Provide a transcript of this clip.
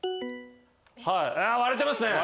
割れてますね。